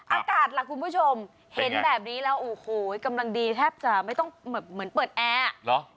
อากาศล่ะคุณผู้ชมเห็นแบบนี้แล้วโอ้โหกำลังดีแทบจะไม่ต้องเหมือนเปิดแอร์อ่ะเหรอ